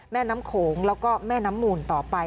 แม่น้ำโขงแล้วก็แม่น้ำหมูลต่อไป